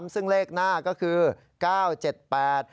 ซึ่งเลขหน้าก็คือ๙๗๘